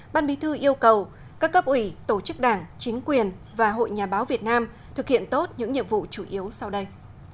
ban bí thư yêu cầu các cấp ủy tổ chức đảng chính quyền và hội nhà báo việt nam thực hiện tốt những nhiệm vụ chủ yếu sau đây